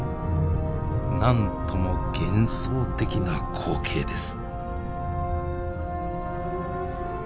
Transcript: なんとも幻想的な光景です。